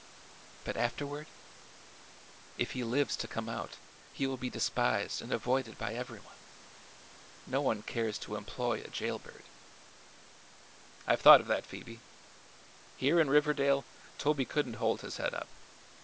"But afterward? If he lives to come out he will be despised and avoided by everyone. No one cares to employ a jail bird." "I've thought of that, Phoebe. Here in Riverdale Toby couldn't hold his head up.